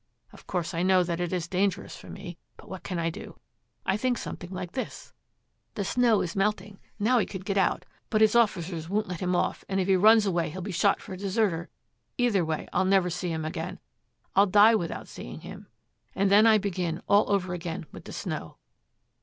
Of course I know that it is dangerous for me, but what can I do? I think something like this: "The snow is melting, now he could get out, but his officers won't let him off, and if he runs away he'll be shot for a deserter either way I'll never see him again; I'll die without seeing him" and then I begin all over again with the snow.'